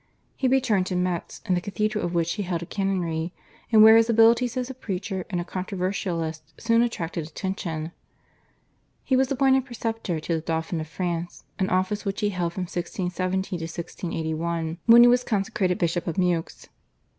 He returned to Metz, in the cathedral of which he held a canonry, and where his abilities as a preacher and a controversialist soon attracted attention. He was appointed preceptor to the Dauphin of France, an office which he held from 1670 to 1681, when he was consecrated Bishop of Meaux.